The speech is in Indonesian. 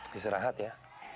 bisa rahat ya